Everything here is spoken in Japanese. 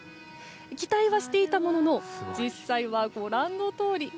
期待はしていたものの実際はご覧のとおり。